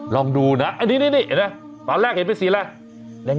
ลองดูนะนี่ตอนแรกเห็นไปสีแล้ว